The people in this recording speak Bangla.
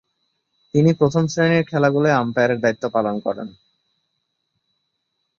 তিনি প্রথম-শ্রেণীর খেলাগুলোয় আম্পায়ারের দায়িত্ব পালন করেন।